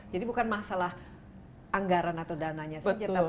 jadi bukan masalah anggaran atau dananya saja